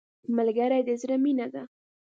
ملګری د زړه مینه ده